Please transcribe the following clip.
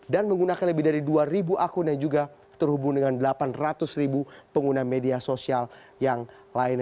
dua ribu akun yang juga terhubung dengan delapan ratus ribu pengguna media sosial yang lain